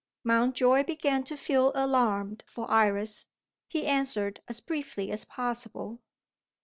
Mountjoy began to feel alarmed for Iris; he answered as briefly as possible.